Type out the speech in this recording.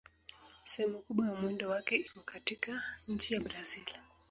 Sehemu kubwa ya mwendo wake iko katika nchi ya Brazil.